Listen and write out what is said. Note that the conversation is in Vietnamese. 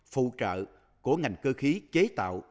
phụ trợ của ngành cơ khí chế tạo